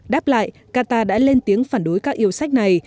đáp lại qatar đã lên tiếng phản đối các yêu sách này